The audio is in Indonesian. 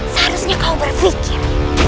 seharusnya kau berpikir